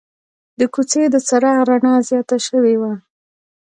د کوڅې د چراغ رڼا زیاته شوې وه.